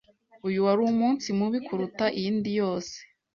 Uyu wari umunsi mubi kuruta iyindi yose.